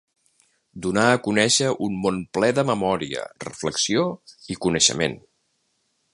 Donar a conèixer un món ple de memòria, reflexió i coneixement.